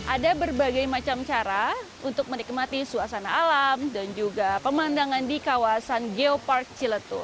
ada berbagai macam cara untuk menikmati suasana alam dan juga pemandangan di kawasan geopark ciletu